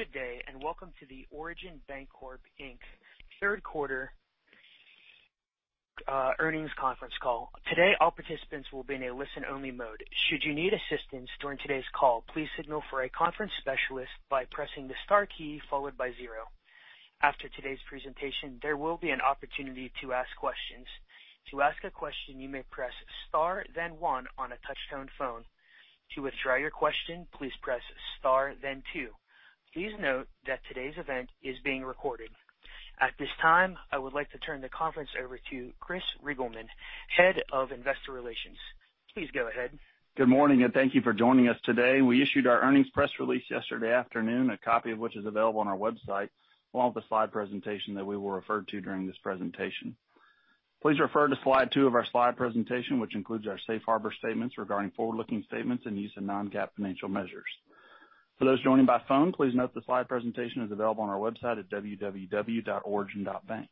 Good day, and welcome to the Origin Bancorp, Inc Third Quarter Earnings Conference Call. Today, all participants will be in a listen-only mode. Should you need assistance during today's call, please signal for a conference specialist by pressing the star key followed by zero. After today's presentation, there will be an opportunity to ask questions. To ask a question, you may press star then one on a touch-tone phone. To withdraw your question, please press star then two. Please note that today's event is being recorded. At this time, I would like to turn the conference over to Chris Reigelman, Head of Investor Relations. Please go ahead. Good morning, and thank you for joining us today. We issued our earnings press release yesterday afternoon, a copy of which is available on our website, along with the slide presentation that we will refer to during this presentation. Please refer to slide two of our slide presentation, which includes our safe harbor statements regarding forward-looking statements and use of non-GAAP financial measures. For those joining by phone, please note the slide presentation is available on our website at www.origin.bank.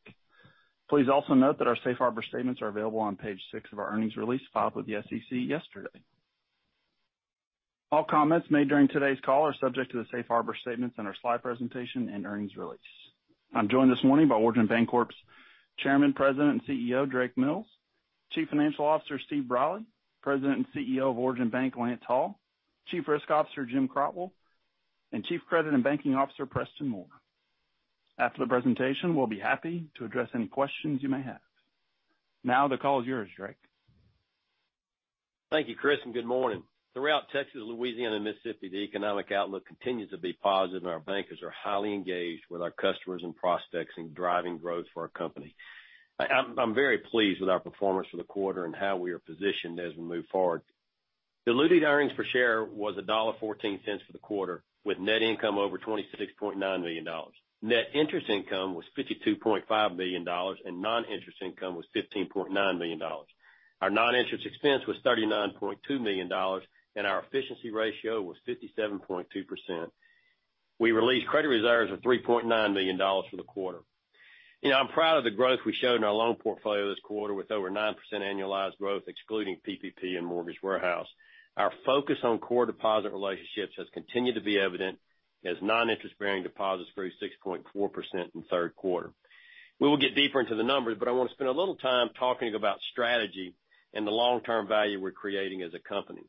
Please also note that our safe harbor statements are available on page six of our earnings release filed with the SEC yesterday. All comments made during today's call are subject to the safe harbor statements in our slide presentation and earnings release. I'm joined this morning by Origin Bancorp's Chairman, President, and CEO, Drake Mills, Chief Financial Officer, Steve Brawley, President and CEO of Origin Bank, Lance Hall, Chief Risk Officer, Jim Crotwell, and Chief Credit and Banking Officer, Preston Moore. After the presentation, we'll be happy to address any questions you may have. Now, the call is yours, Drake. Thank you, Chris, and good morning. Throughout Texas, Louisiana, and Mississippi, the economic outlook continues to be positive, and our bankers are highly engaged with our customers and prospects in driving growth for our company. I'm very pleased with our performance for the quarter and how we are positioned as we move forward. Diluted earnings per share was $1.14 for the quarter, with net income over $26.9 million. Net interest income was $52.5 million, and non-interest income was $15.9 million. Our non-interest expense was $39.2 million, and our efficiency ratio was 57.2%. We released credit reserves of $3.9 million for the quarter. You know, I'm proud of the growth we showed in our loan portfolio this quarter, with over 9% annualized growth, excluding PPP and Mortgage Warehouse. Our focus on core deposit relationships has continued to be evident as non-interest-bearing deposits grew 6.4% in the third quarter. We will get deeper into the numbers, but I want to spend a little time talking about strategy and the long-term value we're creating as a company.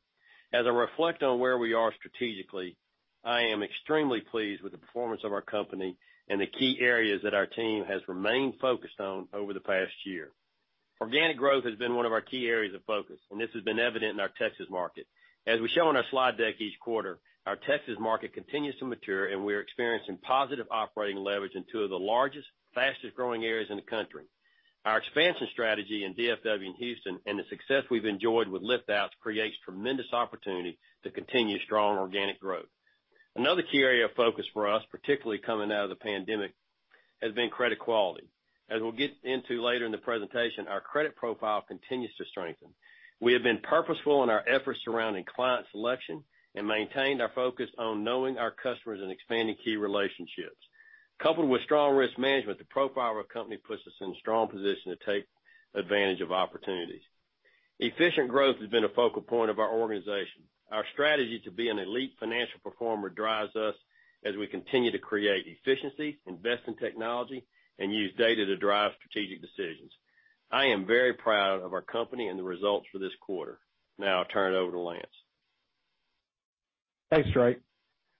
As I reflect on where we are strategically, I am extremely pleased with the performance of our company and the key areas that our team has remained focused on over the past year. Organic growth has been one of our key areas of focus, and this has been evident in our Texas market. As we show on our slide deck each quarter, our Texas market continues to mature, and we are experiencing positive operating leverage in two of the largest, fastest-growing areas in the country. Our expansion strategy in DFW and Houston and the success we've enjoyed with lift outs creates tremendous opportunity to continue strong organic growth. Another key area of focus for us, particularly coming out of the pandemic, has been credit quality. As we'll get into later in the presentation, our credit profile continues to strengthen. We have been purposeful in our efforts surrounding client selection and maintained our focus on knowing our customers and expanding key relationships. Coupled with strong risk management, the profile of our company puts us in a strong position to take advantage of opportunities. Efficient growth has been a focal point of our organization. Our strategy to be an elite financial performer drives us as we continue to create efficiency, invest in technology, and use data to drive strategic decisions. I am very proud of our company and the results for this quarter. Now I'll turn it over to Lance. Thanks, Drake.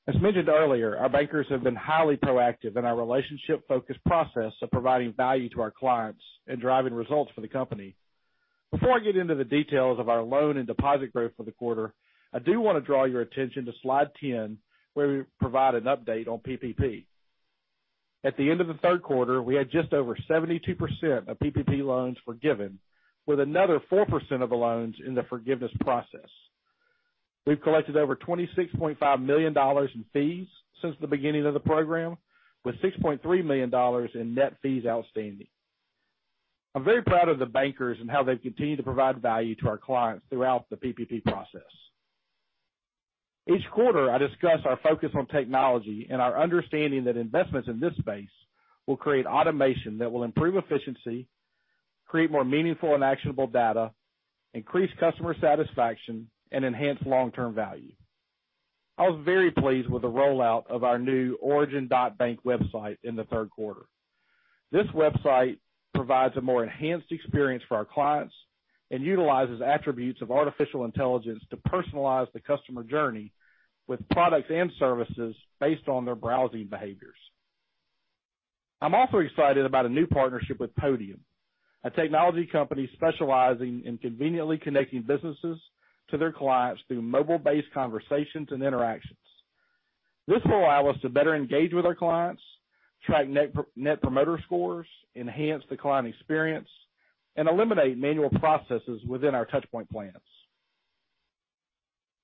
As mentioned earlier, our bankers have been highly proactive in our relationship-focused process of providing value to our clients and driving results for the company. Before I get into the details of our loan and deposit growth for the quarter, I do want to draw your attention to slide 10, where we provide an update on PPP. At the end of the third quarter, we had just over 72% of PPP loans forgiven, with another 4% of the loans in the forgiveness process. We've collected over $26.5 million in fees since the beginning of the program, with $6.3 million in net fees outstanding. I'm very proud of the bankers and how they've continued to provide value to our clients throughout the PPP process. Each quarter, I discuss our focus on technology and our understanding that investments in this space will create automation that will improve efficiency, create more meaningful and actionable data, increase customer satisfaction, and enhance long-term value. I was very pleased with the rollout of our new origin.bank website in the third quarter. This website provides a more enhanced experience for our clients and utilizes attributes of artificial intelligence to personalize the customer journey with products and services based on their browsing behaviors. I'm also excited about a new partnership with Podium, a technology company specializing in conveniently connecting businesses to their clients through mobile-based conversations and interactions. This will allow us to better engage with our clients, track Net Promoter Scores, enhance the client experience, and eliminate manual processes within our touchpoint plans.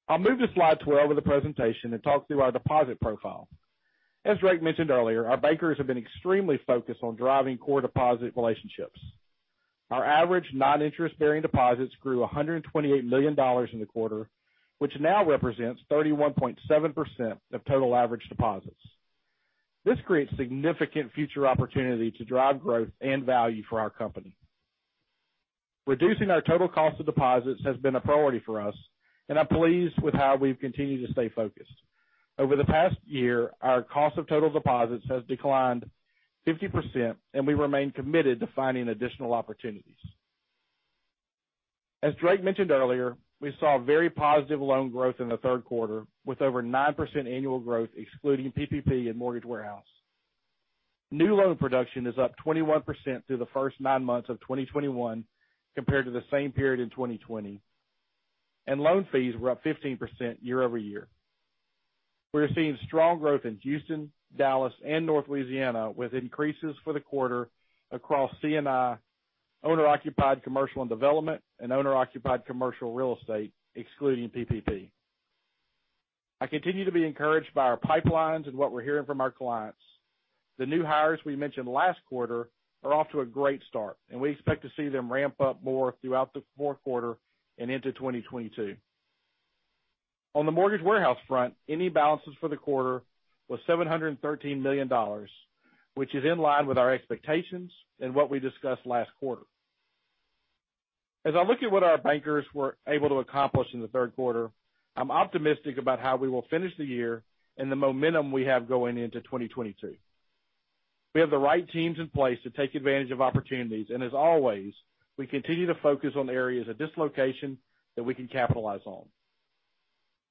I'll move to slide 12 of the presentation and talk through our deposit profile. As Drake mentioned earlier, our bankers have been extremely focused on driving core deposit relationships. Our average non-interest-bearing deposits grew $128 million in the quarter, which now represents 31.7% of total average deposits. This creates significant future opportunity to drive growth and value for our company. Reducing our total cost of deposits has been a priority for us, and I'm pleased with how we've continued to stay focused. Over the past year, our cost of total deposits has declined 50%, and we remain committed to finding additional opportunities. As Drake mentioned earlier, we saw very positive loan growth in the third quarter, with over 9% annual growth excluding PPP and mortgage warehouse. New loan production is up 21% through the first 9 months of 2021 compared to the same period in 2020. Loan fees were up 15% year-over-year. We are seeing strong growth in Houston, Dallas and North Louisiana, with increases for the quarter across C&I, owner-occupied commercial and development, and owner-occupied commercial real estate, excluding PPP. I continue to be encouraged by our pipelines and what we're hearing from our clients. The new hires we mentioned last quarter are off to a great start, and we expect to see them ramp up more throughout the fourth quarter and into 2022. On the Mortgage Warehouse front, our balances for the quarter was $713 million, which is in line with our expectations and what we discussed last quarter. As I look at what our bankers were able to accomplish in the third quarter, I'm optimistic about how we will finish the year and the momentum we have going into 2022. We have the right teams in place to take advantage of opportunities, and as always, we continue to focus on areas of dislocation that we can capitalize on.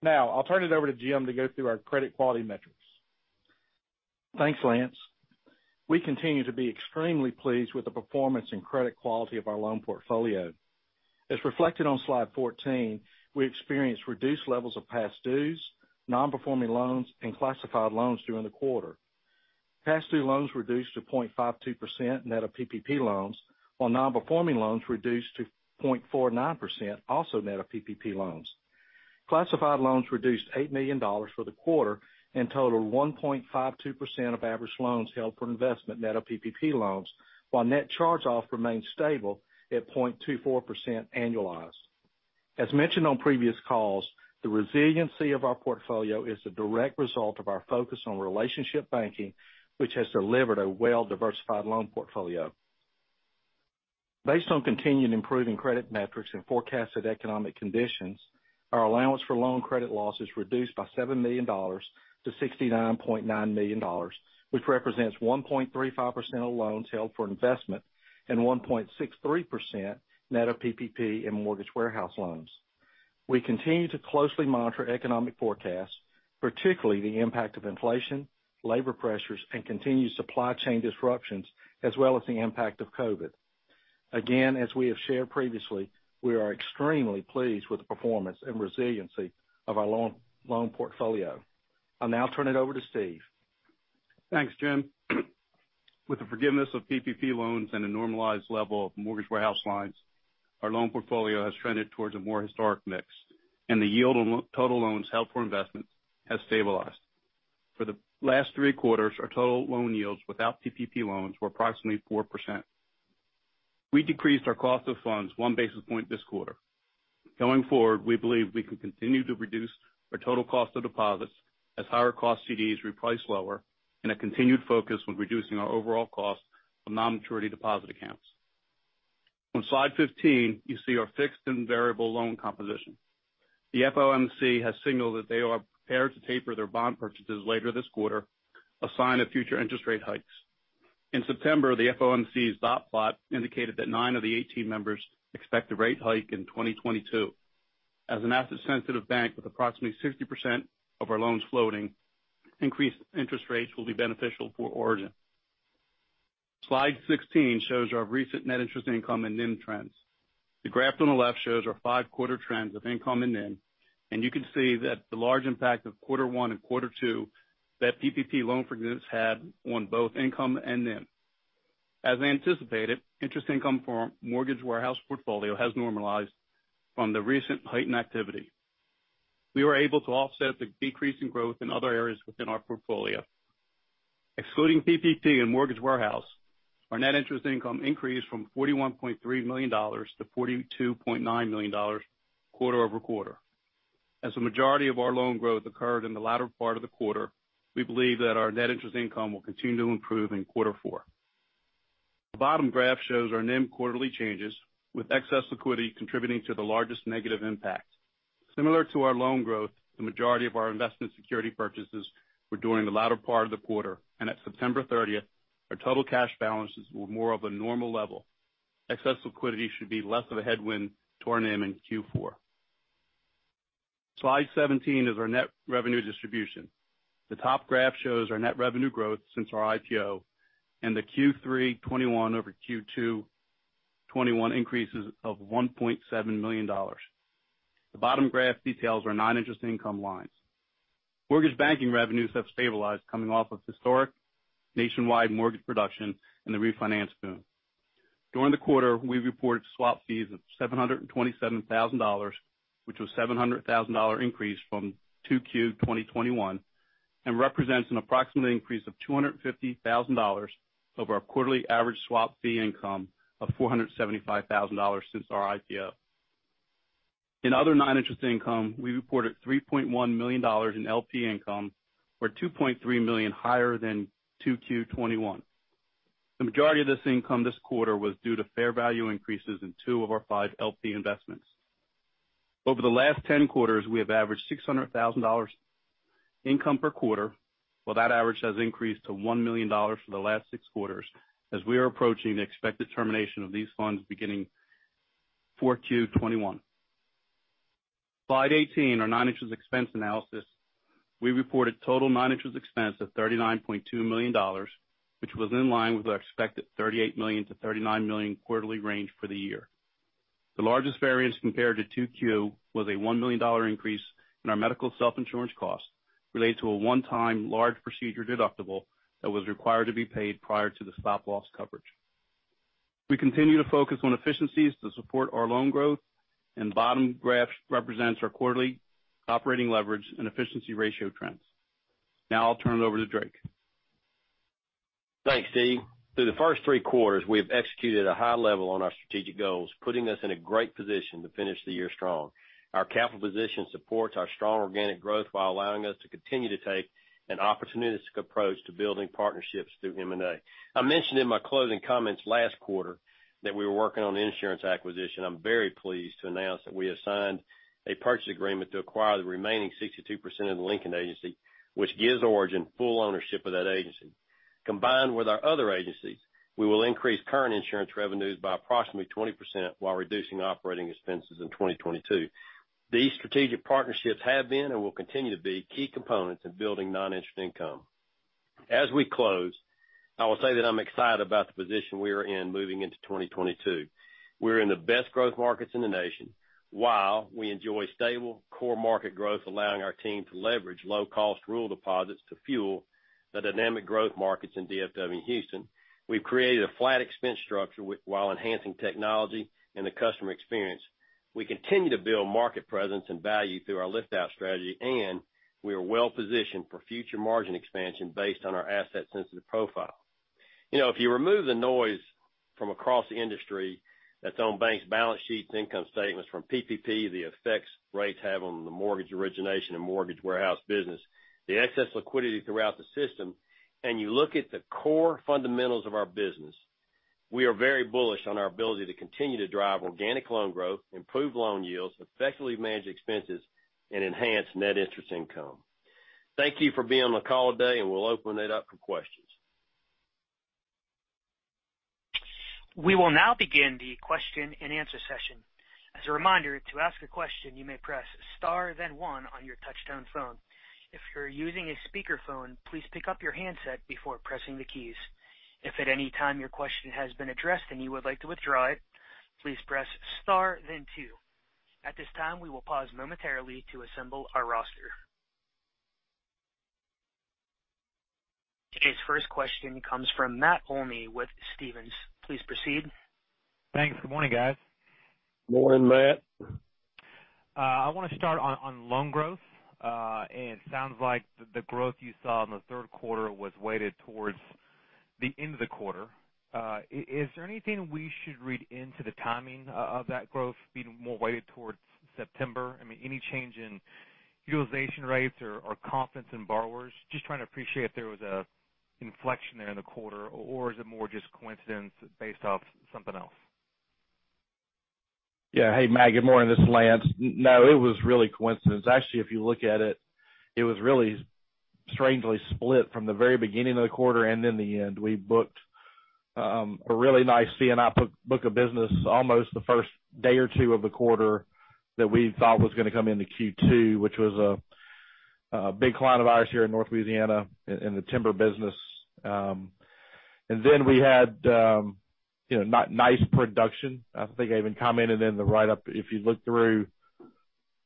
Now I'll turn it over to Jim to go through our credit quality metrics. Thanks, Lance. We continue to be extremely pleased with the performance and credit quality of our loan portfolio. As reflected on slide 14, we experienced reduced levels of past dues, non-performing loans, and classified loans during the quarter. Past due loans reduced to 0.52% net of PPP loans, while non-performing loans reduced to 0.49%, also net of PPP loans. Classified loans reduced $8 million for the quarter and total 1.52% of average loans held for investment net of PPP loans, while net charge-off remained stable at 0.24% annualized. As mentioned on previous calls, the resiliency of our portfolio is a direct result of our focus on relationship banking, which has delivered a well-diversified loan portfolio. Based on continued improving credit metrics and forecasted economic conditions, our allowance for loan credit loss is reduced by $7 million to $69.9 million, which represents 1.35% of loans held for investment and 1.63% net of PPP and Mortgage Warehouse loans. We continue to closely monitor economic forecasts, particularly the impact of inflation, labor pressures, and continued supply chain disruptions, as well as the impact of COVID. Again, as we have shared previously, we are extremely pleased with the performance and resiliency of our loan portfolio. I'll now turn it over to Steve. Thanks, Jim. With the forgiveness of PPP loans and a normalized level of Mortgage Warehouse lines, our loan portfolio has trended towards a more historic mix, and the yield on total loans held for investment has stabilized. For the last three quarters, our total loan yields without PPP loans were approximately 4%. We decreased our cost of funds one basis point this quarter. Going forward, we believe we can continue to reduce our total cost of deposits as higher cost CDs reprice lower and a continued focus on reducing our overall cost for non-maturity deposit accounts. On slide 15, you see our fixed and variable loan composition. The FOMC has signaled that they are prepared to taper their bond purchases later this quarter, a sign of future interest rate hikes. In September, the FOMC's dot plot indicated that nine of the 18 members expect a rate hike in 2022. As an asset-sensitive bank with approximately 60% of our loans floating, increased interest rates will be beneficial for Origin. Slide 16 shows our recent net interest income and NIM trends. The graph on the left shows our five-quarter trends of income and NIM, and you can see that the large impact of quarter one and quarter two that PPP loan forgiveness had on both income and NIM. As anticipated, interest income from Mortgage Warehouse portfolio has normalized from the recent heightened activity. We were able to offset the decrease in growth in other areas within our portfolio. Excluding PPP and Mortgage Warehouse, our net interest income increased from $41.3 million to $42.9 million quarter-over-quarter. As the majority of our loan growth occurred in the latter part of the quarter, we believe that our net interest income will continue to improve in quarter four. The bottom graph shows our NIM quarterly changes, with excess liquidity contributing to the largest negative impact. Similar to our loan growth, the majority of our investment security purchases were during the latter part of the quarter. At September 30th, our total cash balances were more of a normal level. Excess liquidity should be less of a headwind to our NIM in Q4. Slide 17 is our net revenue distribution. The top graph shows our net revenue growth since our IPO and the Q3 2021 over Q2 2021 increases of $1.7 million. The bottom graph details our non-interest income lines. Mortgage Banking revenues have stabilized coming off of historic nationwide mortgage production and the refinance boom. During the quarter, we reported swap fees of $727,000, which was a $700,000 increase from 2Q 2021, and represents an approximate increase of $250,000 over our quarterly average swap fee income of $475,000 since our IPO. In other non-interest income, we reported $3.1 million in LP income, or $2.3 million higher than 2Q 2021. The majority of this income this quarter was due to fair value increases in two of our five LP investments. Over the last 10 quarters, we have averaged $600,000 income per quarter, while that average has increased to $1 million for the last six quarters as we are approaching the expected termination of these funds beginning 4Q 2021. Slide 18, our non-interest expense analysis. We reported total non-interest expense of $39.2 million, which was in line with our expected $38 million-$39 million quarterly range for the year. The largest variance compared to 2Q was a $1 million increase in our medical self-insurance costs related to a one-time large procedure deductible that was required to be paid prior to the stop-loss coverage. We continue to focus on efficiencies to support our loan growth, and bottom graph represents our quarterly operating leverage and efficiency ratio trends. Now I'll turn it over to Drake. Thanks, Steve. Through the first three quarters, we have executed a high level on our strategic goals, putting us in a great position to finish the year strong. Our capital position supports our strong organic growth while allowing us to continue to take an opportunistic approach to building partnerships through M&A. I mentioned in my closing comments last quarter that we were working on insurance acquisition. I'm very pleased to announce that we have signed a purchase agreement to acquire the remaining 62% of The Lincoln Agency, which gives Origin full ownership of that agency. Combined with our other agencies, we will increase current Insurance revenues by approximately 20% while reducing operating expenses in 2022. These strategic partnerships have been and will continue to be key components in building non-interest income. As we close, I will say that I'm excited about the position we are in moving into 2022. We're in the best growth markets in the nation, while we enjoy stable core market growth, allowing our team to leverage low-cost rural deposits to fuel the dynamic growth markets in DFW and Houston. We've created a flat expense structure while enhancing technology and the customer experience. We continue to build market presence and value through our lift-out strategy, and we are well positioned for future margin expansion based on our asset-sensitive profile. You know, if you remove the noise from across the industry that's on banks' balance sheets, income statements from PPP, the effects rates have on the Mortgage Origination and Mortgage Warehouse business, the excess liquidity throughout the system, and you look at the core fundamentals of our business, we are very bullish on our ability to continue to drive organic loan growth, improve loan yields, effectively manage expenses, and enhance net interest income. Thank you for being on the call today, and we'll open it up for questions. We will now begin the question-and-answer session. As a reminder, to ask a question, you may press star then one on your touch-tone phone. If you're using a speakerphone, please pick up your handset before pressing the keys. If at any time your question has been addressed and you would like to withdraw it, please press star then two. At this time, we will pause momentarily to assemble our roster. Today's first question comes from Matt Olney with Stephens. Please proceed. Thanks. Good morning, guys. Morning, Matt. I want to start on loan growth. It sounds like the growth you saw in the third quarter was weighted towards the end of the quarter. Is there anything we should read into the timing of that growth being more weighted towards September? I mean, any change in utilization rates or confidence in borrowers? Just trying to appreciate if there was an inflection there in the quarter, or is it more just coincidence based off something else? Yeah. Hey, Matt, good morning. This is Lance. No, it was really coincidence. Actually, if you look at it was really strangely split from the very beginning of the quarter and in the end. We booked a really nice C&I book of business almost the first day or two of the quarter that we thought was going to come into Q2, which was a big client of ours here in North Louisiana in the Timber business. Then we had, you know, nice production. I think I even commented in the write-up, if you look through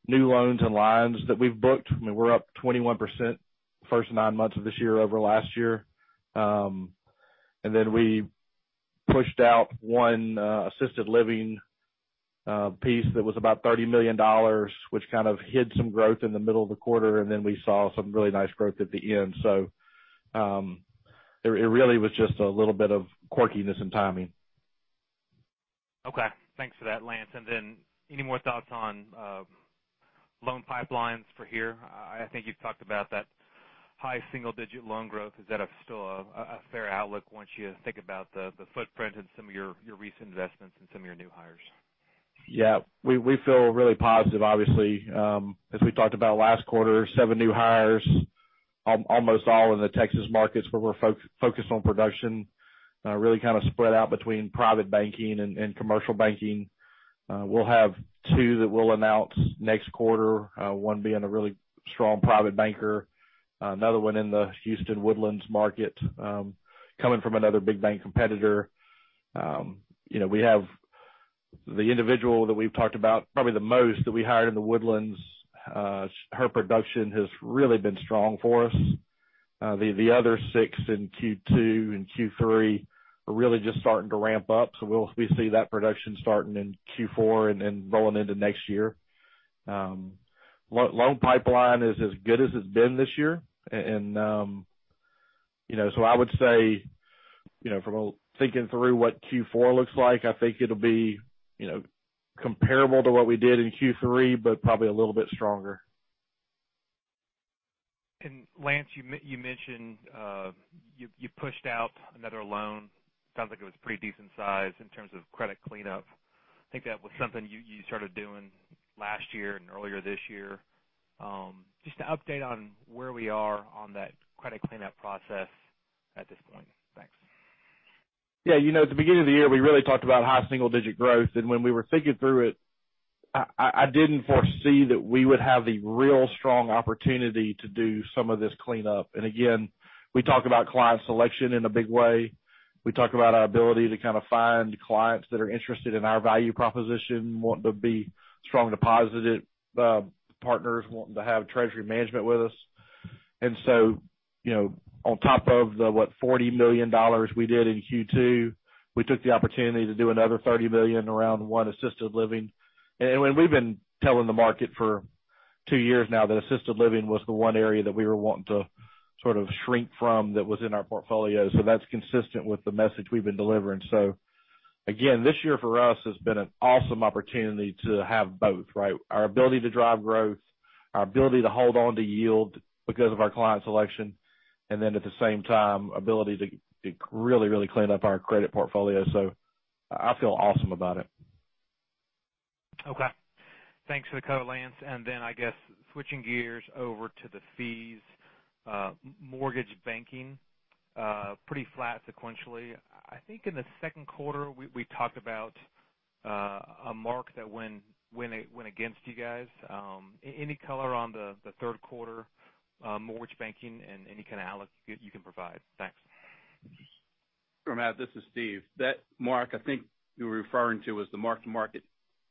new loans and lines that we've booked, I mean, we're up 21% first nine months of this year over last year. We pushed out one assisted living piece that was about $30 million, which kind of hid some growth in the middle of the quarter, and then we saw some really nice growth at the end. It really was just a little bit of quirkiness and timing. Okay. Thanks for that, Lance. Any more thoughts on loan pipelines for here? I think you've talked about that high single-digit loan growth. Is that still a fair outlook once you think about the footprint and some of your recent investments and some of your new hires? Yeah. We feel really positive, obviously. As we talked about last quarter, seven new hires, almost all in the Texas markets where we're focused on production, really kind of spread out between Private Banking and Commercial Banking. We'll have two that we'll announce next quarter, one being a really strong private banker, another one in the Houston Woodlands market, coming from another big bank competitor. You know, we have the individual that we've talked about probably the most that we hired in the Woodlands, her production has really been strong for us. The other six in Q2 and Q3 are really just starting to ramp up. We see that production starting in Q4 and then rolling into next year. Loan pipeline is as good as it's been this year, and You know, I would say, you know, from a thinking through what Q4 looks like, I think it'll be, you know, comparable to what we did in Q3, but probably a little bit stronger. Lance, you mentioned you pushed out another loan. Sounds like it was pretty decent size in terms of credit cleanup. I think that was something you started doing last year and earlier this year. Just to update on where we are on that credit cleanup process at this point. Thanks. Yeah, you know, at the beginning of the year, we really talked about high single-digit growth, and when we were thinking through it, I didn't foresee that we would have the real strong opportunity to do some of this cleanup. Again, we talk about client selection in a big way. We talk about our ability to kind of find clients that are interested in our value proposition, want to be strong deposited partners, wanting to have Treasury Management with us. You know, on top of the $40 million we did in Q2, we took the opportunity to do another $30 million around one assisted living. We've been telling the market for two years now that assisted living was the one area that we were wanting to sort of shrink from that was in our portfolio. That's consistent with the message we've been delivering. Again, this year for us has been an awesome opportunity to have both, right? Our ability to drive growth, our ability to hold on to yield because of our client selection, and then at the same time, ability to really clean up our credit portfolio. I feel awesome about it. Okay. Thanks for the color, Lance. Then, I guess, switching gears over to the fees, Mortgage Banking pretty flat sequentially. I think in the second quarter, we talked about a mark that went against you guys. Any color on the third quarter Mortgage Banking and any kind of outlook you can provide. Thanks. Matt, this is Steve. That mark I think you're referring to is the mark-to-market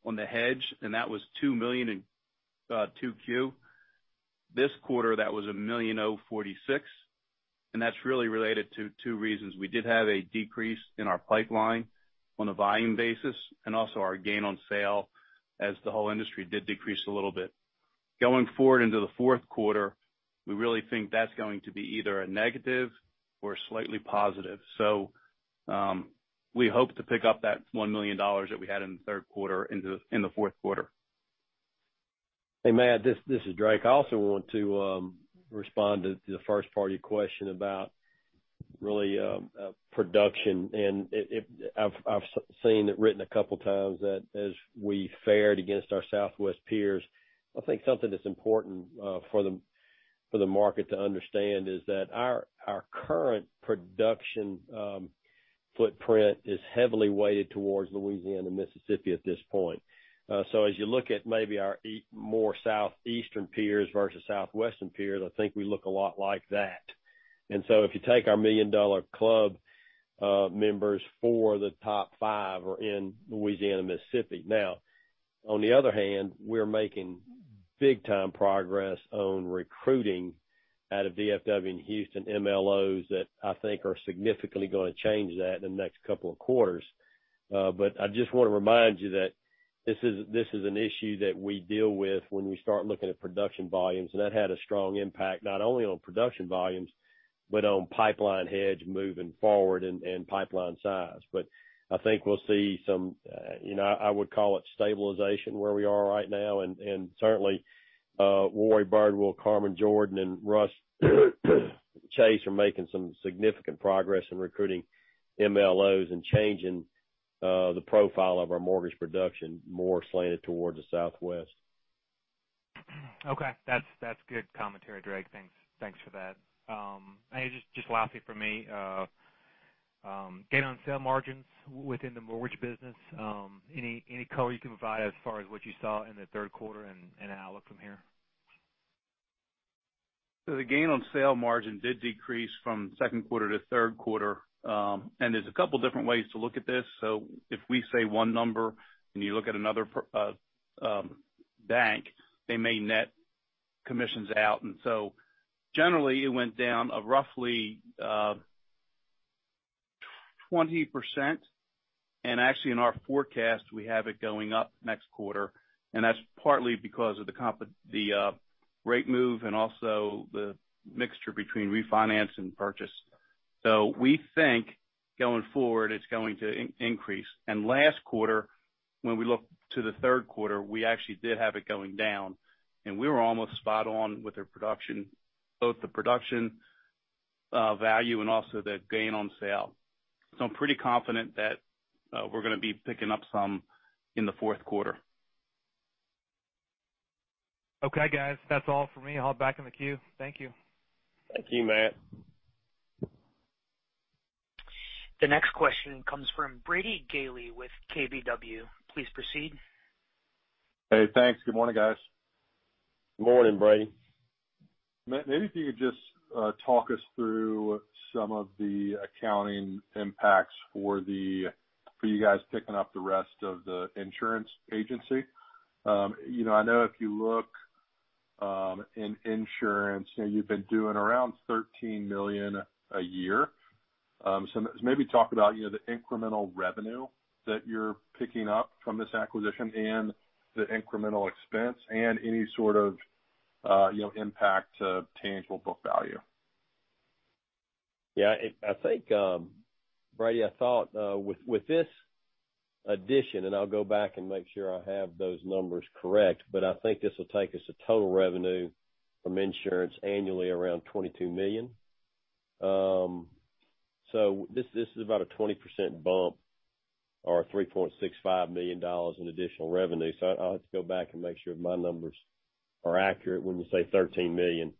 on the hedge, and that was $2 million in 2Q. This quarter, that was $1.046 million, and that's really related to two reasons. We did have a decrease in our pipeline on a volume basis and also our gain on sale as the whole industry did decrease a little bit. Going forward into the fourth quarter, we really think that's going to be either a negative or slightly positive. We hope to pick up that $1 million that we had in the third quarter in the fourth quarter. Hey, Matt, this is Drake. I also want to respond to the first part of your question about really production I've seen it written a couple times that as we fared against our Southwest peers, I think something that's important for the market to understand is that our current production footprint is heavily weighted towards Louisiana and Mississippi at this point. So as you look at maybe our more southeastern peers versus southwestern peers, I think we look a lot like that. If you take our million-dollar club members, the top five are in Louisiana, Mississippi. Now, on the other hand, we're making big time progress on recruiting out of DFW and Houston MLOs that I think are significantly gonna change that in the next couple of quarters. I just wanna remind you that this is an issue that we deal with when you start looking at production volumes. That had a strong impact, not only on production volumes, but on pipeline hedge moving forward and pipeline size. I think we'll see some, you know, I would call it stabilization where we are right now. Certainly, Warrie Birdwell, Carmen Jordan and Russ Chase are making some significant progress in recruiting MLOs and changing the profile of our mortgage production more slanted towards the southwest. Okay. That's good commentary, Drake. Thanks for that. Just lastly from me, gain on sale margins within the Mortgage business, any color you can provide as far as what you saw in the third quarter and outlook from here? The gain on sale margin did decrease from second quarter to third quarter, and there's a couple different ways to look at this. If we say one number and you look at another bank, they may net commissions out. Generally, it went down roughly 20%. Actually in our forecast, we have it going up next quarter, and that's partly because of the rate move and also the mixture between refinance and purchase. We think going forward, it's going to increase. Last quarter, when we look to the third quarter, we actually did have it going down, and we were almost spot on with their production, both the production value and also the gain on sale. I'm pretty confident that we're gonna be picking up some in the fourth quarter. Okay, guys. That's all for me. I'll hop back in the queue. Thank you. Thank you, Matt. The next question comes from Brady Gailey with KBW. Please proceed. Hey, thanks. Good morning, guys. Good morning, Brady. Maybe if you could just talk us through some of the accounting impacts for you guys picking up the rest of the insurance agency. You know, I know if you look in Insurance and you've been doing around $13 million a year. Maybe talk about, you know, the incremental revenue that you're picking up from this acquisition and the incremental expense and any sort of impact to tangible book value. Yeah, I think, Brady, I thought with this addition, and I'll go back and make sure I have those numbers correct, but I think this will take us to total revenue from Insurance annually around $22 million. This is about a 20% bump or $3.65 million in additional revenue. I'll have to go back and make sure my numbers are accurate when you say $13 million.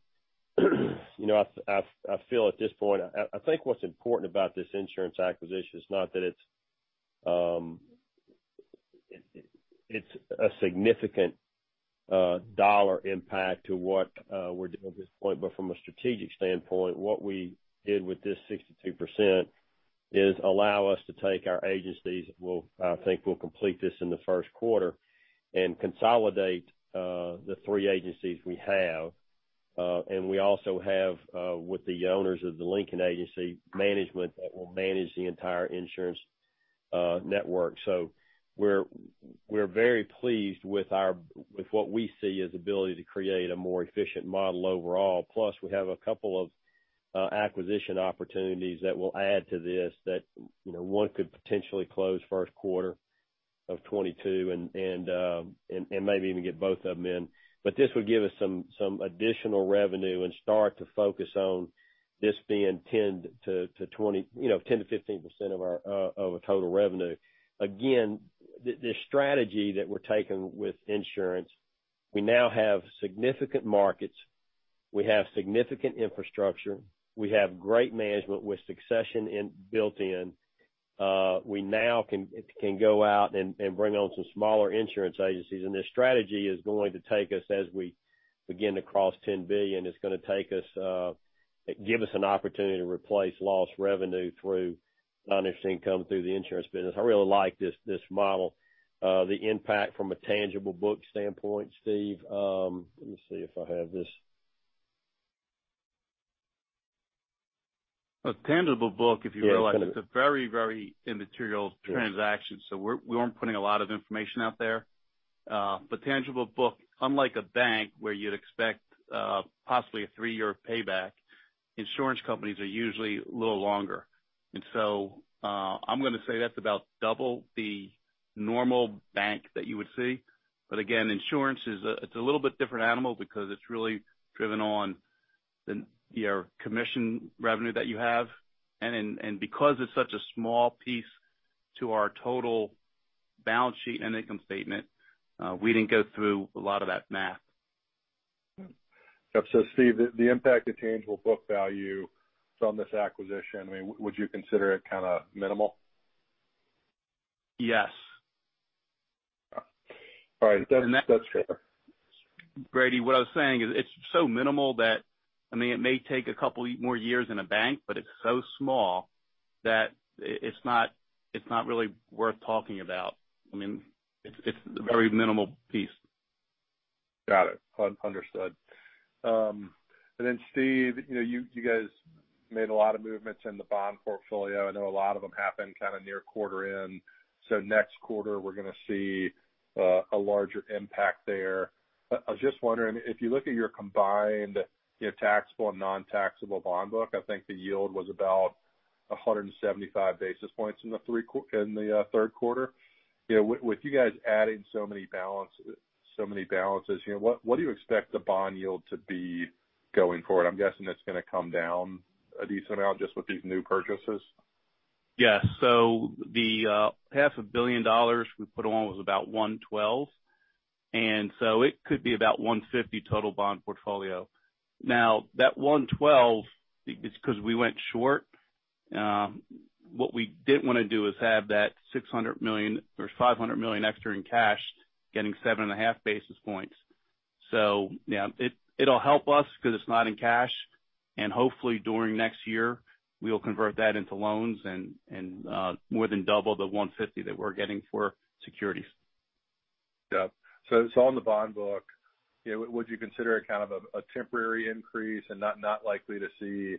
You know, I feel at this point, I think what's important about this insurance acquisition is not that it's a significant dollar impact to what we're doing at this point. From a strategic standpoint, what we did with this 62% is allow us to take our agencies. I think we'll complete this in the first quarter and consolidate the three agencies we have. We also have with the owners of The Lincoln Agency, management that will manage the entire Insurance network. We're very pleased with what we see as ability to create a more efficient model overall. Plus, we have a couple of acquisition opportunities that will add to this, that you know, one could potentially close first quarter of 2022 and maybe even get both of them in. This would give us some additional revenue and start to focus on this being 10%-20%, you know, 10%-15% of our total revenue. Again, the strategy that we're taking with Insurance, we now have significant markets, we have significant infrastructure, we have great management with succession built in. We now can go out and bring on some smaller insurance agencies. This strategy is going to take us as we begin to cross $10 billion. It's gonna take us, give us an opportunity to replace lost revenue through non-interest income through the Insurance business. I really like this model. The impact from a tangible book standpoint, Steve, let me see if I have this. A tangible book, if you realize it's a very, very immaterial transaction. We're, we weren't putting a lot of information out there. Tangible book, unlike a bank where you'd expect possibly a three-year payback, insurance companies are usually a little longer. I'm gonna say that's about double the normal bank that you would see. Again, insurance is a little bit different animal because it's really driven on the, your commission revenue that you have. Because it's such a small piece to our total balance sheet and income statement, we didn't go through a lot of that math. Yep. Steve, the impact to tangible book value from this acquisition, I mean, would you consider it kinda minimal? Yes. All right. That's fair. Brady, what I was saying is it's so minimal that, I mean, it may take a couple more years in a bank, but it's so small that it's not really worth talking about. I mean, it's a very minimal piece. Got it. Understood. Then, Steve, you know, you guys made a lot of movements in the bond portfolio. I know a lot of them happened kinda near quarter end. Next quarter, we're gonna see a larger impact there. I was just wondering, if you look at your combined, you know, taxable and non-taxable bond book, I think the yield was about 175 basis points in the third quarter. You know, with you guys adding so many balances here, what do you expect the bond yield to be going forward? I'm guessing it's gonna come down a decent amount just with these new purchases. Yes. The $500,000,000 we put on was about $112, and it could be about $150 total bond portfolio. Now, that $112 is because we went short. What we didn't wanna do is have that $600 million or $500 million extra in cash getting 7.5 basis points. Yeah, it'll help us 'cause it's not in cash, and hopefully during next year, we'll convert that into loans and more than double the $150 that we're getting for securities. Yeah. It's on the bond book. You know, would you consider it kind of a temporary increase and not likely to see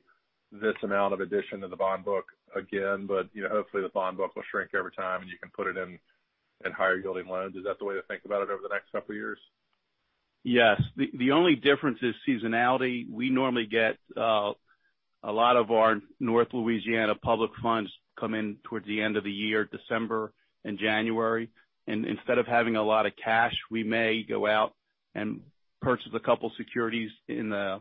this amount of addition to the bond book again? You know, hopefully the bond book will shrink over time, and you can put it in higher yielding loans. Is that the way to think about it over the next couple of years? Yes. The only difference is seasonality. We normally get a lot of our North Louisiana public funds come in towards the end of the year, December and January. Instead of having a lot of cash, we may go out and purchase a couple securities in the,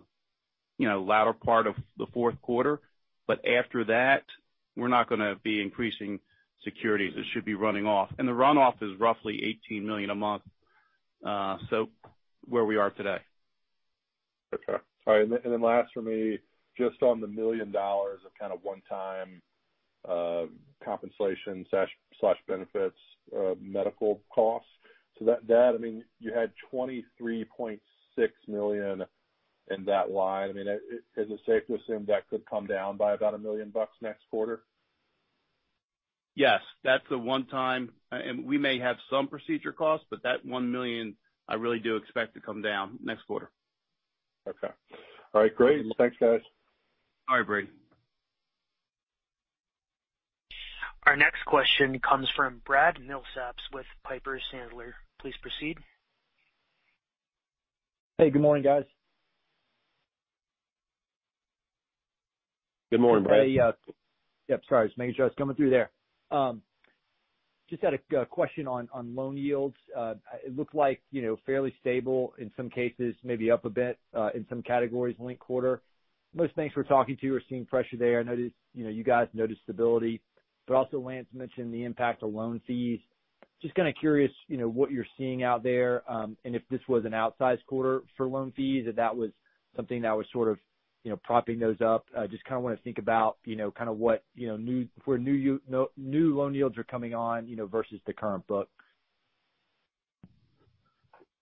you know, latter part of the fourth quarter. After that, we're not gonna be increasing securities. It should be running off. The runoff is roughly $18 million a month, so where we are today. Last for me, just on the $1 million of kind of one-time compensation/benefits medical costs. That, I mean, you had $23.6 million in that line. I mean, is it safe to assume that could come down by about $1 million next quarter? Yes, that's a one-time. We may have some procedure costs, but that $1 million I really do expect to come down next quarter. Okay. All right, great. Thanks, guys. All right, Brady. Our next question comes from Brad Milsaps with Piper Sandler. Please proceed. Hey, good morning, guys. Good morning, Brad. Yeah. Sorry. Just making sure I was coming through there. Just had a question on loan yields. It looked like, you know, fairly stable in some cases, maybe up a bit in some categories linked quarter. Most banks we're talking to are seeing pressure there. I noticed, you know, you guys noticed stability, but also Lance mentioned the impact of loan fees. Just kind of curious, you know, what you're seeing out there, and if this was an outsized quarter for loan fees, if that was something that was sort of, you know, propping those up. I just kind of want to think about, you know, kind of what, you know, where new loan yields are coming on, you know, versus the current book.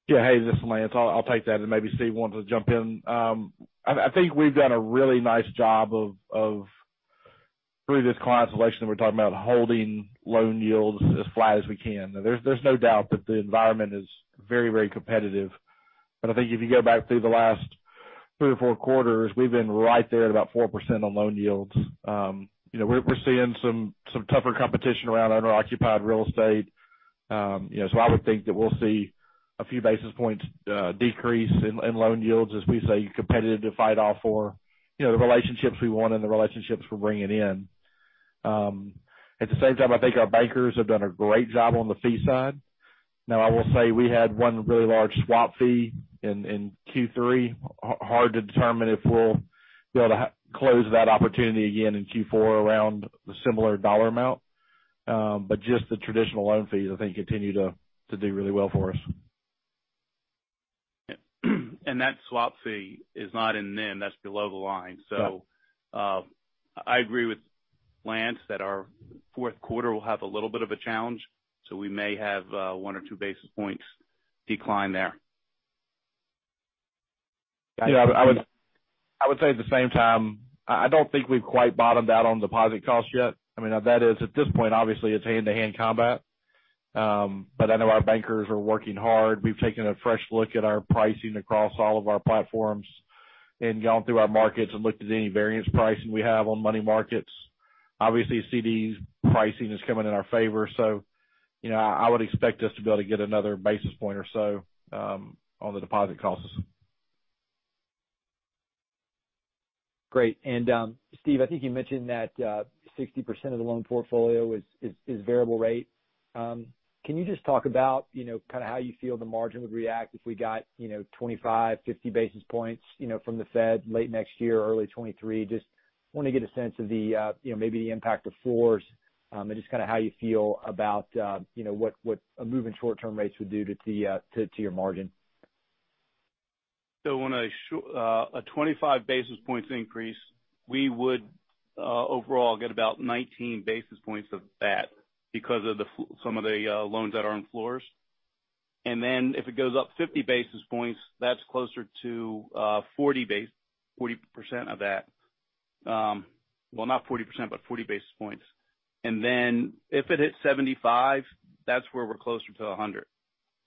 Yeah. Hey, this is Lance. I'll take that and maybe Steve wants to jump in. I think we've done a really nice job of through this client selection that we're talking about, holding loan yields as flat as we can. There's no doubt that the environment is very competitive. I think if you go back through the last three, four quarters, we've been right there at about 4% on loan yields. We're seeing some tougher competition around underoccupied real estate. I would think that we'll see a few basis points decrease in loan yields, as we stay competitive to fight for the relationships we want and the relationships we're bringing in. At the same time, I think our bankers have done a great job on the fee side. Now, I will say we had one really large swap fee in Q3. Hard to determine if we'll be able to close that opportunity again in Q4 around the similar dollar amount. But just the traditional loan fees, I think, continue to do really well for us. That swap fee is not in NIM, that's below the line. Yeah. I agree with Lance that our fourth quarter will have a little bit of a challenge, so we may have 1 or 2 basis points decline there. Yeah. I would say at the same time, I don't think we've quite bottomed out on deposit costs yet. I mean, that is at this point, obviously it's hand-to-hand combat. But I know our bankers are working hard. We've taken a fresh look at our pricing across all of our platforms and gone through our markets and looked at any variance pricing we have on money markets. Obviously, CD pricing is coming in our favor. You know, I would expect us to be able to get another basis point or so on the deposit costs. Great. Steve, I think you mentioned that 60% of the loan portfolio is variable rate. Can you just talk about, you know, kind of how you feel the margin would react if we got, you know, 25, 50 basis points, you know, from the Fed late next year or early 2023? Just want to get a sense of the, you know, maybe the impact of floors, and just kinda how you feel about, you know, what a move in short-term rates would do to your margin. On a 25 basis points increase, we would overall get about 19 basis points of that because of some of the loans that are on floors. If it goes up 50 basis points, that's closer to 40 bps of that. Not 40%, but 40 basis points. If it hits 75 basis points, that's where we're closer to 100 basis points.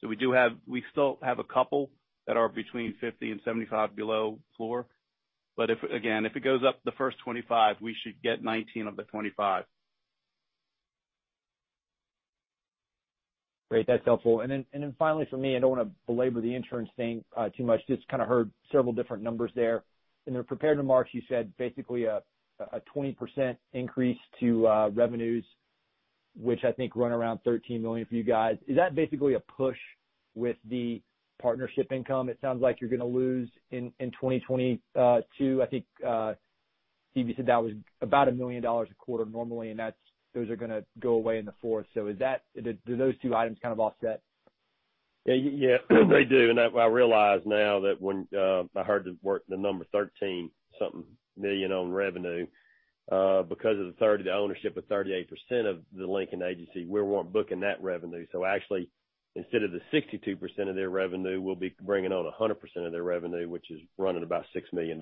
We do have we still have a couple that are between 50 basis points and 75 basis points below floor. If, again, if it goes up the first 25 basis points, we should get 19 of the 25 basis points. Great. That's helpful. Finally for me, I don't wanna belabor the Insurance thing too much, just kind of heard several different numbers there. In the prepared remarks, you said basically a 20% increase to revenues, which I think run around $13 million for you guys. Is that basically a push with the partnership income? It sounds like you're gonna lose in 2022. I think, Steve, you said that was about $1 million a quarter normally, and those are gonna go away in the fourth. Is that, do those two items kind of offset? Yeah. Yeah, they do. I realize now that when I heard the word, the number $13-something million on revenue, because of the ownership of 38% of The Lincoln Agency, we weren't booking that revenue. Actually, instead of the 62% of their revenue, we'll be bringing on 100% of their revenue, which is running about $6 million.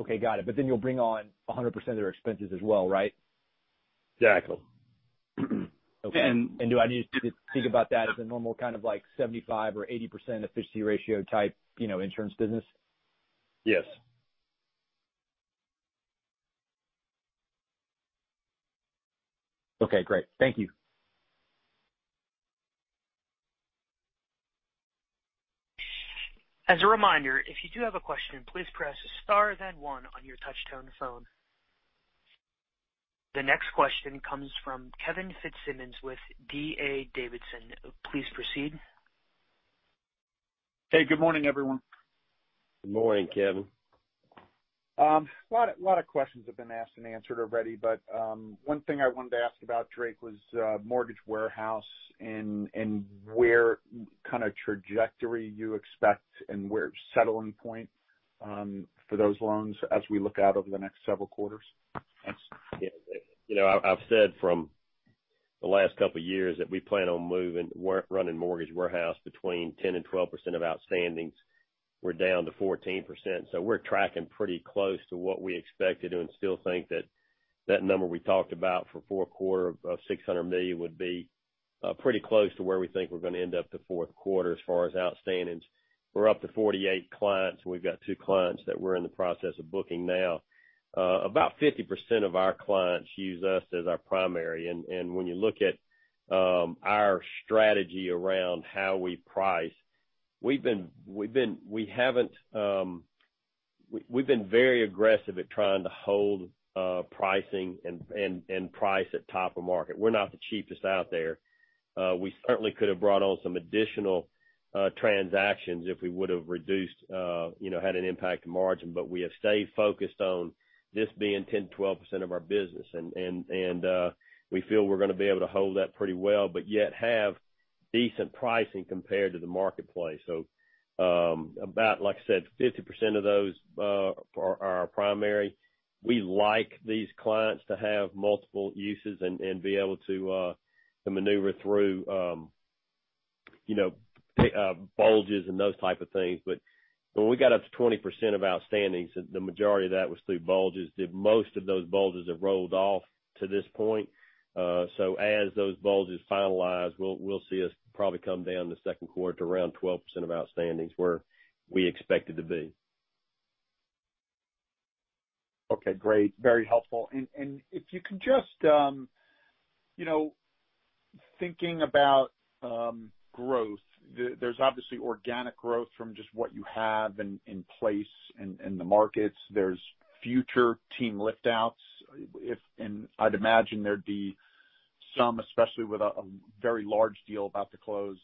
Okay. Got it. You'll bring on 100% of their expenses as well, right? Exactly. Okay. Do I need to think about that as a normal kind of like 75%-80% efficiency ratio type, you know, Insurance business? Yes. Okay, great. Thank you. As a reminder, if you do have a question, please press star then one on your touch-tone phone. The next question comes from Kevin Fitzsimmons with D.A. Davidson. Please proceed. Hey, good morning, everyone. Good morning, Kevin. A lot of questions have been asked and answered already, but one thing I wanted to ask about, Drake, was Mortgage Warehouse and where kind of trajectory you expect and where settling point for those loans as we look out over the next several quarters. You know, I've said from the last couple years that we plan on running Mortgage Warehouse between 10%-12% of outstandings. We're down to 14%, so we're tracking pretty close to what we expected and still think that that number we talked about for fourth quarter of $600 million would be pretty close to where we think we're gonna end up the fourth quarter as far as outstandings. We're up to 48 clients, and we've got two clients that we're in the process of booking now. About 50% of our clients use us as our primary. When you look at our strategy around how we price, we've been very aggressive at trying to hold pricing and price at top of market. We're not the cheapest out there. We certainly could have brought on some additional transactions if we would've reduced, you know, had an impact to margin. We have stayed focused on this being 10%-12% of our business. We feel we're gonna be able to hold that pretty well, but yet have decent pricing compared to the marketplace. About, like I said, 50% of those are our primary. We like these clients to have multiple uses and be able to maneuver through bulges and those type of things. When we got up to 20% of outstandings, the majority of that was through bulges. The most of those bulges have rolled off to this point. As those bulges finalize, we'll see us probably come down the second quarter to around 12% of outstandings, where we expected to be. Okay, great. Very helpful. If you can just, you know, thinking about growth, there's obviously organic growth from just what you have in place in the markets. There's future team lift outs, and I'd imagine there'd be some, especially with a very large deal about to close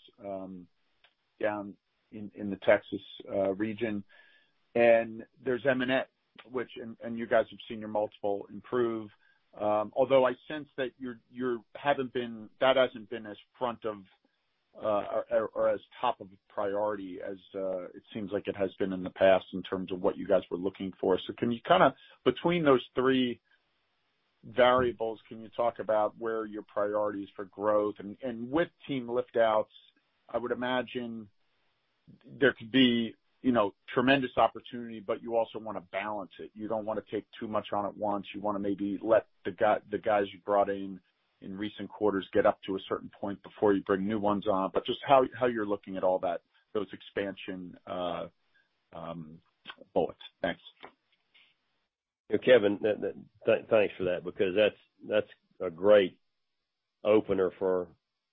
down in the Texas region. There's M&A, which you guys have seen your multiple improve, although I sense that that hasn't been as front of or as top of priority as it seems like it has been in the past in terms of what you guys were looking for. Can you kind of, between those three variables, talk about where your priorities for growth are? With team lift outs, I would imagine there could be, you know, tremendous opportunity, but you also wanna balance it. You don't wanna take too much on at once. You wanna maybe let the guys you brought in in recent quarters get up to a certain point before you bring new ones on. But just how you're looking at all that, those expansion bullets. Thanks. Kevin, thanks for that because that's a great opener for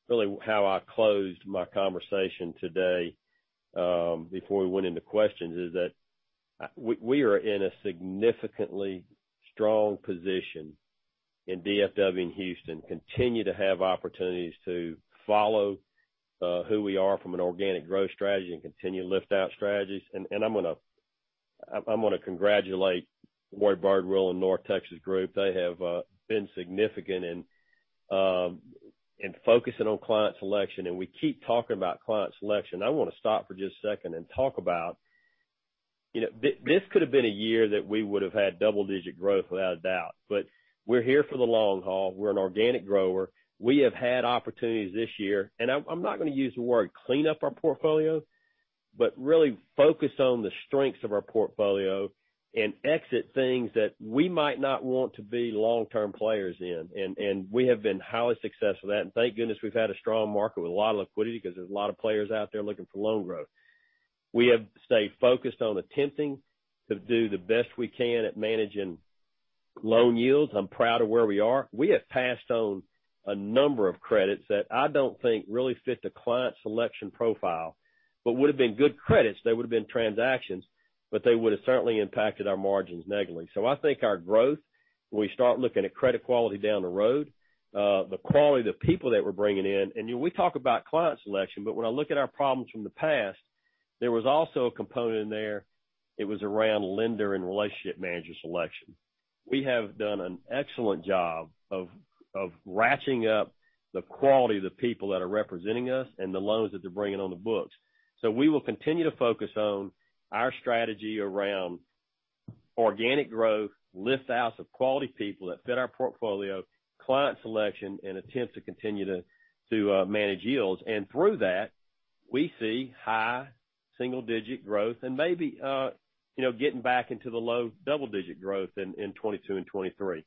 really how I closed my conversation today, before we went into questions is that we are in a significantly strong position in DFW and Houston, continue to have opportunities to follow who we are from an organic growth strategy and continue lift out strategies. I'm gonna congratulate Warrie Birdwell and North Texas Group. They have been significant in focusing on client selection. We keep talking about client selection. I wanna stop for just a second and talk about, you know, this could have been a year that we would've had double-digit growth, without a doubt. We're here for the long haul. We're an organic grower. We have had opportunities this year, and I'm not gonna use the word clean up our portfolio, but really focus on the strengths of our portfolio and exit things that we might not want to be long-term players in. We have been highly successful at that. Thank goodness we've had a strong market with a lot of liquidity because there's a lot of players out there looking for loan growth. We have stayed focused on attempting to do the best we can at managing loan yields. I'm proud of where we are. We have passed on a number of credits that I don't think really fit the client selection profile, but would've been good credits. They would've been transactions, but they would've certainly impacted our margins negatively. I think our growth, when we start looking at credit quality down the road, the quality of the people that we're bringing in, and, you know, we talk about client selection, but when I look at our problems from the past, there was also a component in there, it was around lender and relationship manager selection. We have done an excellent job of ratcheting up the quality of the people that are representing us and the loans that they're bringing on the books. We will continue to focus on our strategy around organic growth, lift outs of quality people that fit our portfolio, client selection, and attempt to continue to manage yields. Through that, we see high single-digit growth and maybe, you know, getting back into the low double-digit growth in 2022 and 2023.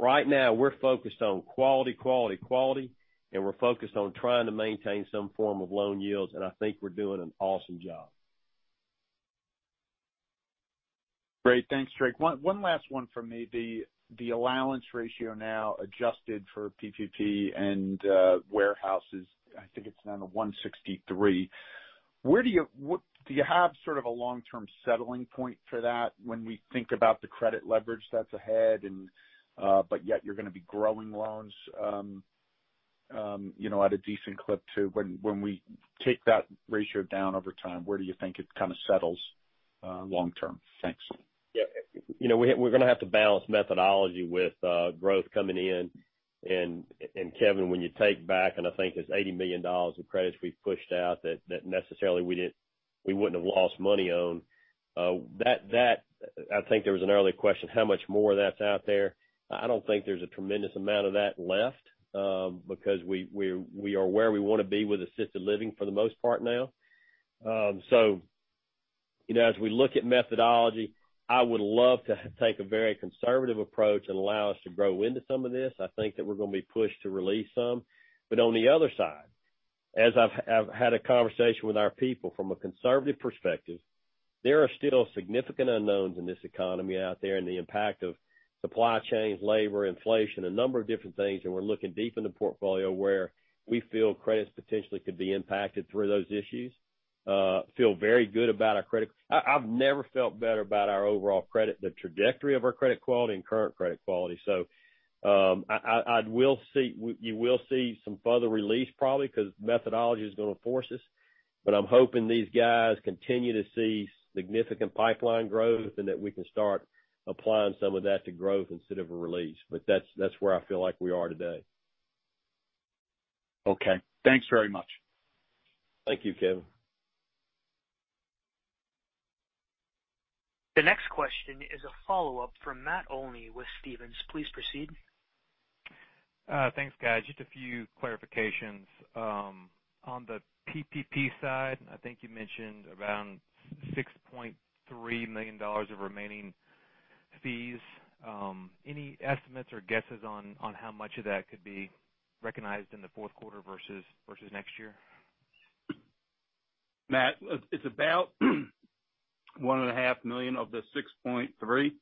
Right now, we're focused on quality, and we're focused on trying to maintain some form of loan yields, and I think we're doing an awesome job. Great. Thanks, Drake. One last one for me. The allowance ratio now adjusted for PPP and warehouses, I think it's down to 163. Where do you have sort of a long-term settling point for that when we think about the credit leverage that's ahead and but yet you're gonna be growing loans, you know, at a decent clip too. When we take that ratio down over time, where do you think it kind of settles long term? Thanks. Yeah. You know, we're gonna have to balance methodology with growth coming in. Kevin, when you take back, and I think it's $80 million in credits we've pushed out that necessarily we wouldn't have lost money on. That I think there was an early question, how much more of that's out there? I don't think there's a tremendous amount of that left, because we are where we wanna be with assisted living for the most part now. You know, as we look at methodology, I would love to take a very conservative approach and allow us to grow into some of this. I think that we're gonna be pushed to release some. On the other side, as I've had a conversation with our people from a conservative perspective, there are still significant unknowns in this economy out there and the impact of supply chains, labor, inflation, a number of different things, and we're looking deep in the portfolio where we feel credits potentially could be impacted through those issues. Feel very good about our credit. I've never felt better about our overall credit, the trajectory of our credit quality and current credit quality. I will see, you will see some further release probably because methodology is gonna force us, but I'm hoping these guys continue to see significant pipeline growth and that we can start applying some of that to growth instead of a release. That's where I feel like we are today. Okay. Thanks very much. Thank you, Kevin. The next question is a follow-up from Matt Olney with Stephens. Please proceed. Thanks, guys. Just a few clarifications. On the PPP side, I think you mentioned around $6.3 million of remaining fees. Any estimates or guesses on how much of that could be recognized in the fourth quarter versus next year? Matt, it's about $1.5 million of the $6.3 million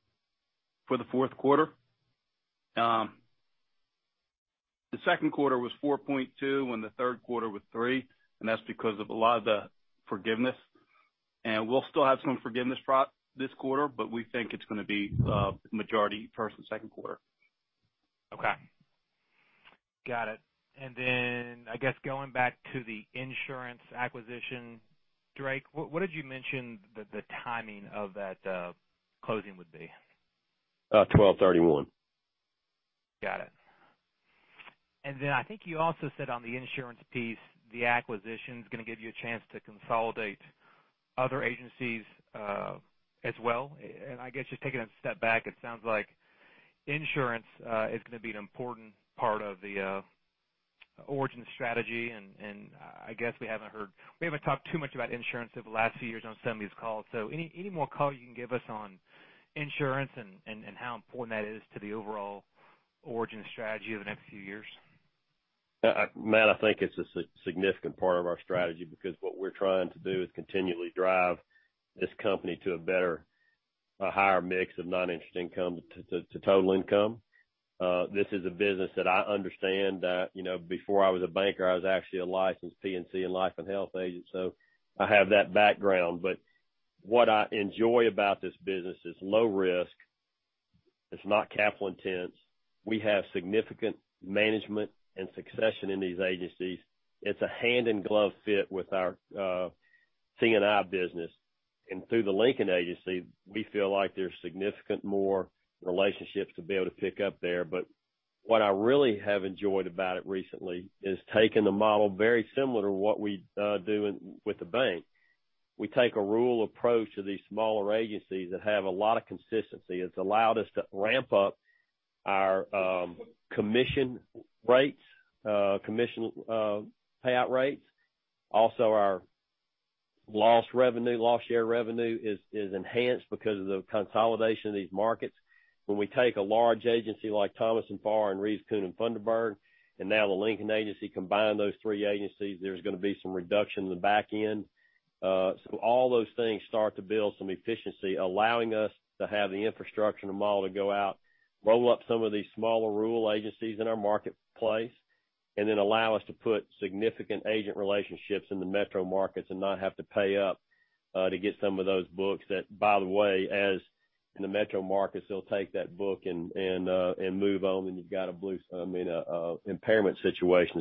for the fourth quarter. The second quarter was $4.2 million, and the third quarter was $3 million, and that's because of a lot of the forgiveness. We'll still have some forgiveness this quarter, but we think it's gonna be majority first and second quarter. Okay. Got it. I guess going back to the insurance acquisition, Drake, what did you mention the timing of that closing would be? 12:31PM. Got it. I think you also said on the Insurance piece, the acquisition's gonna give you a chance to consolidate other agencies, as well. I guess just taking a step back, it sounds like Insurance is gonna be an important part of the Origin strategy. I guess we haven't talked too much about Insurance over the last few years on some of these calls. Any more color you can give us on Insurance and how important that is to the overall Origin strategy over the next few years? Matt, I think it's a significant part of our strategy because what we're trying to do is continually drive this company to a higher mix of non-interest income to total income. This is a business that I understand. You know, before I was a banker, I was actually a licensed P&C and Life and Health agent, so I have that background. What I enjoy about this business is low risk. It's not capital intense. We have significant management and succession in these agencies. It's a hand-in-glove fit with our C&I business. Through The Lincoln Agency, we feel like there's significant more relationships to be able to pick up there. What I really have enjoyed about it recently is taking a model very similar to what we do with the bank. We take a rural approach to these smaller agencies that have a lot of consistency. It's allowed us to ramp up our commission payout rates. Also, our loss share revenue is enhanced because of the consolidation of these markets. When we take a large agency like Thomas and Farr and Reeves, Coon and Funderburg, and now The Lincoln Agency, combine those three agencies, there's gonna be some reduction in the back end. All those things start to build some efficiency, allowing us to have the infrastructure and a model to go out, roll up some of these smaller rural agencies in our marketplace, and then allow us to put significant agent relationships in the metro markets and not have to pay up to get some of those books that, by the way, as in the metro markets, they'll take that book and move on, and you've got a—I mean, an impairment situation.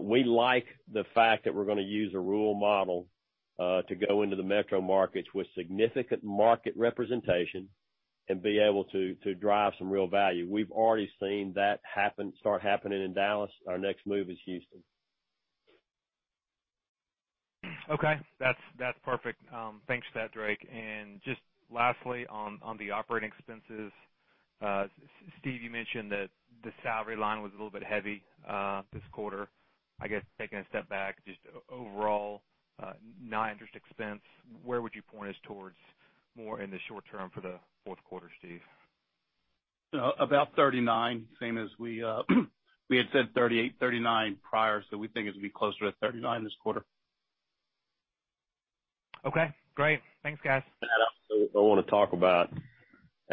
We like the fact that we're gonna use a rural model to go into the metro markets with significant market representation and be able to drive some real value. We've already seen that start happening in Dallas. Our next move is Houston. Okay. That's perfect. Thanks for that, Drake. Just lastly, on the operating expenses, Steve, you mentioned that the salary line was a little bit heavy this quarter. I guess taking a step back, just overall, non-interest expense, where would you point us towards more in the short term for the fourth quarter, Steve? About $39 million, same as we had said $38 million, $39 million prior, so we think it'll be closer to $39 million this quarter. Okay, great. Thanks, guys. I wanna talk about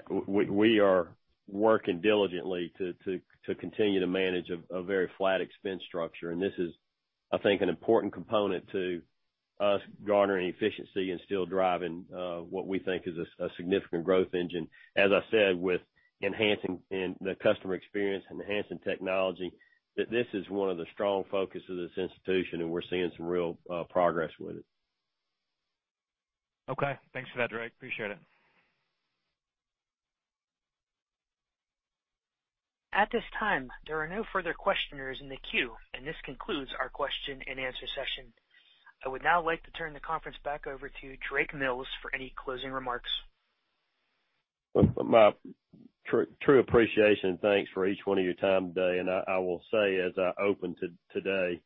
we are working diligently to continue to manage a very flat expense structure, and this is, I think, an important component to us garnering efficiency and still driving what we think is a significant growth engine. As I said, with enhancing the customer experience and enhancing technology, that this is one of the strong focus of this institution, and we're seeing some real progress with it. Okay. Thanks for that, Drake. Appreciate it. At this time, there are no further questioners in the queue, and this concludes our question-and-answer session. I would now like to turn the conference back over to Drake Mills for any closing remarks. My true appreciation, thanks to each one of you for your time today. I will say as I opened today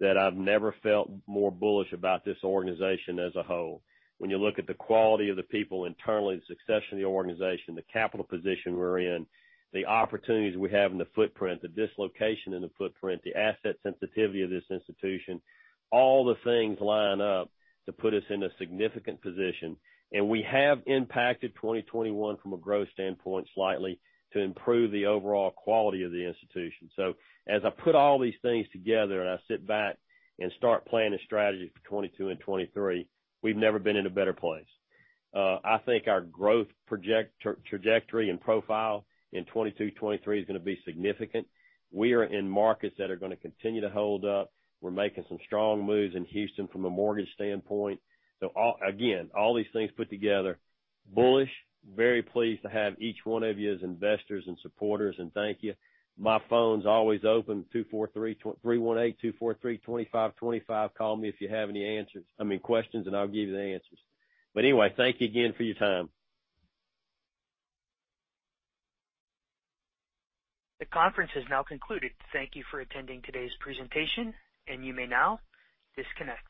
that I've never felt more bullish about this organization as a whole. When you look at the quality of the people internally, the succession of the organization, the capital position we're in, the opportunities we have in the footprint, the dislocation in the footprint, the asset sensitivity of this institution, all the things line up to put us in a significant position. We have impacted 2021 from a growth standpoint slightly to improve the overall quality of the institution. As I put all these things together and I sit back and start planning strategies for 2022 and 2023, we've never been in a better place. I think our growth trajectory and profile in 2022, 2023 is gonna be significant. We are in markets that are gonna continue to hold up. We're making some strong moves in Houston from a mortgage standpoint. All these things put together, bullish, very pleased to have each one of you as investors and supporters, and thank you. My phone's always open, 243-318-243-2525. Call me if you have any answers, I mean, questions, and I'll give you the answers. Anyway, thank you again for your time. The conference has now concluded. Thank you for attending today's presentation, and you may now disconnect.